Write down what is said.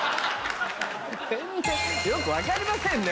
全然よく分かりませんね。